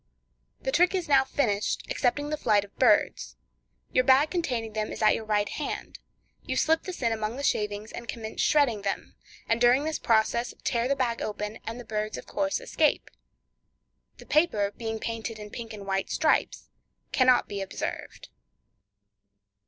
The trick is now finished, excepting the flight of birds. Your bag containing them is at your right hand; you slip this in among the shavings, and commence shredding them, and during this process tear the bag open, and the birds, of course, escape. The paper being painted in pink and white stripes, cannot be observed.